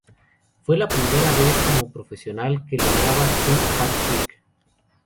Fue la primera vez como profesional que lograba un "hat-trick".